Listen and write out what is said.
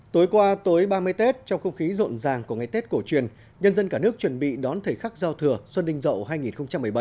tối qua tối ba mươi tết trong không khí rộn ràng của ngày tết cổ truyền nhân dân cả nước chuẩn bị đón thời khắc giao thừa xuân đinh rậu hai nghìn một mươi bảy